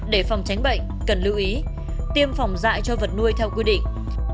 để phòng tránh bệnh cần lưu ý tiêm phòng dạy cho vật nuôi theo quy định